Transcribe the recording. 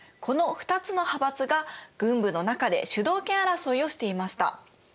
この２つの派閥が軍部の中で主導権争いをしていました。